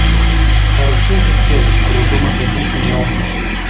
— Харсъзи цели — продума Хаджи Смион.